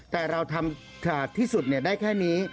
แต่เราทำที่สุดได้แค่นี้